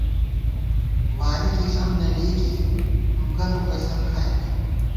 واری کی ݪم نہ لېئیکی نُنگہ نُنگہ ݪم کھائیمېت